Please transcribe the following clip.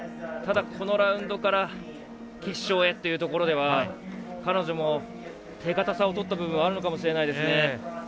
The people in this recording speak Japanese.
ただ、このラウンドから決勝へというところでは彼女も手堅さをとったところはあったのかもしれないですね。